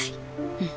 うん。